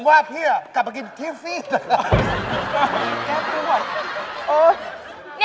ผมว่าพี่กลับมากินทิฟป์ดังนั้น